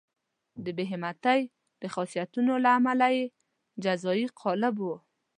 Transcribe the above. د بې همتۍ د خاصیتونو لپاره یې جزایي قالب وو.